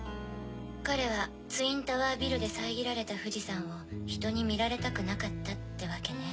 彼はツインタワービルでさえぎられた富士山をひとに見られたくなかったってわけね。